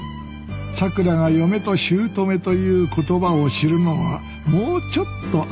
さくらが「嫁と姑」という言葉を知るのはもうちょっとあとですかな